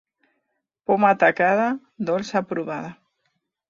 Poma tacada, dolça provada.